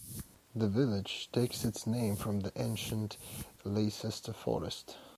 The village takes its name from the ancient Leicester Forest.